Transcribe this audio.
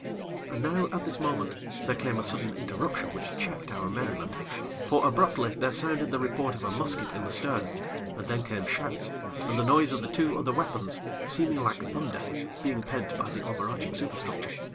And now, at this moment, there came a sudden interruption which checked our merriment; for, abruptly, there sounded the report of a musket in the stern, and then came shouts, and the noise of the two other weapons, seeming like thunder, being pent by the over arching superstructure.